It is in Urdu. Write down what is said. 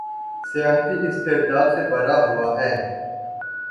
سیاحتی استعداد سے بھرا ہوا ہے